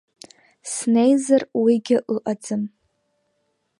Снеизар, уигьы ыҟаӡам.